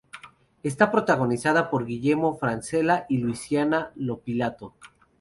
Está protagonizada por Guillermo Francella y Luisana Lopilato.